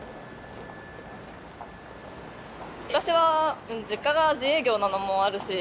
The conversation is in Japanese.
私は実家が自営業なのもあるし